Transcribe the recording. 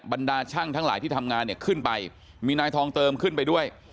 บรรดาช่างทั้งหลายที่ทำงานเนี่ยขึ้นไปมีนายทองเติมขึ้นไปด้วย